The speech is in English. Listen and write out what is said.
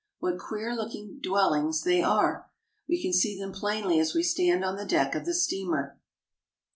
What queer looking dwellings they are ! We can see them plainly as we stand on the deck of the steamer.